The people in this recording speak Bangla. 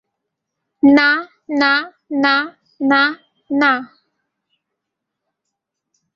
না না না না না।